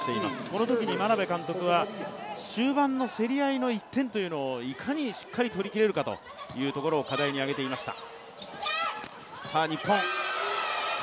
このときに眞鍋監督は終盤の競り合いの１点というのを、いかにしっかり取りきれるかというところを課題に上げていました。